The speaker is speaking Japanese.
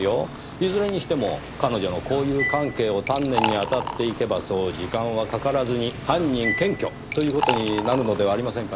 いずれにしても彼女の交友関係を丹念に当たっていけばそう時間はかからずに犯人検挙という事になるのではありませんかねぇ？